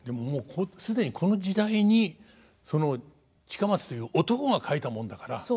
もう既にこの時代にその近松という男が書いたもんだから。